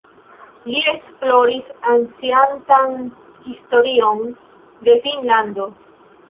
Li esploris anciantan historion de Finnlando.